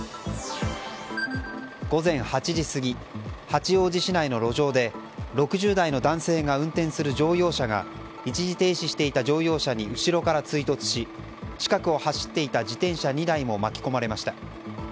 午前８時過ぎ八王子市内の路上で６０代の男性が運転する乗用車が一時停止していた乗用車に後ろから追突し近くを走っていた自転車２台も巻き込まれました。